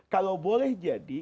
kalau boleh jadi